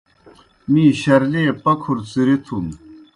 می شرلیئے پکُھر څِرِتُھن۔